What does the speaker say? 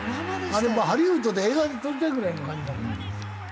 あれもうハリウッドで映画で撮りたいぐらいの感じだもん。